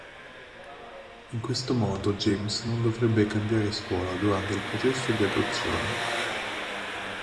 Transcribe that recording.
In questo modo James non dovrebbe cambiare scuola durante il processo di adozione.